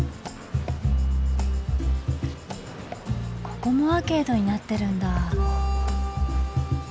ここもアーケードになってるんだ。